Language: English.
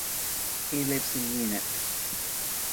He lives in Munich.